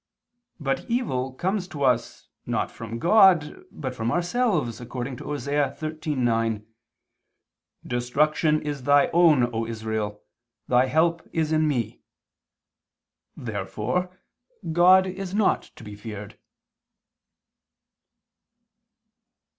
But evil comes to us, not from God, but from ourselves, according to Osee 13:9: "Destruction is thy own, O Israel: thy help is ... in Me." Therefore God is not to be feared.